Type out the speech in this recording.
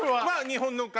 日本の方？